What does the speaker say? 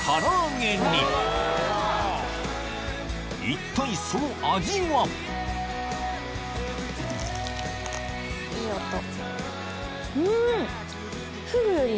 一体その味はうん！